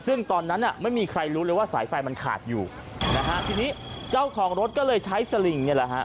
ซึ่งตอนนั้นไม่มีใครรู้เลยว่าสายไฟมันขาดอยู่นะฮะทีนี้เจ้าของรถก็เลยใช้สลิงเนี่ยแหละฮะ